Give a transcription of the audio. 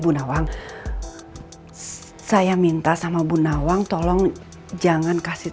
udah selesai belum sih